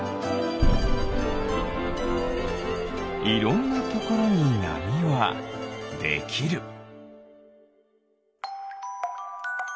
いろんなところになみはできる。